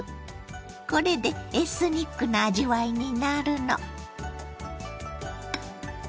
これでエスニックな味わいになるの。